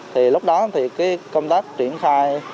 thì lúc đó thì cái công tác chuyển khai